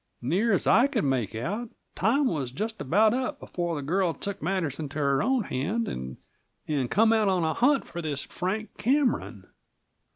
Near as I could make it out, the time was just about up before the girl took matters into her own hand, and come out on a hunt for this Frank Cameron.